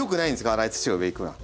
粗い土が上行くのは。